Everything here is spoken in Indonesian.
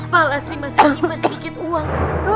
pak lasri masih menyimpan sedikit uang